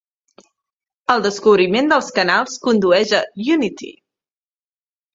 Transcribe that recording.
El descobriment dels canals condueix a Unity.